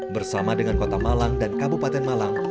bersama dengan kota malang dan kabupaten malang